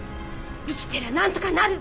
生きてりゃ何とかなる！